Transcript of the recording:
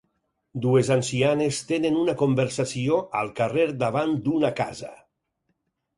Dues ancianes tenen una conversació al carrer davant d'una casa